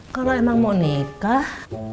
kalau emang mau nikah